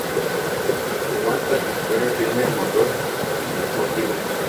Además, participó en el filme "Motor y motivo".